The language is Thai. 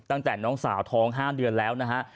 ตั้งแต่น้องสาวท้อง๕เดือนแล้วนะฮะ